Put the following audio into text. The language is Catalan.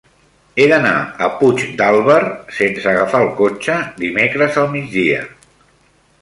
He d'anar a Puigdàlber sense agafar el cotxe dimecres al migdia.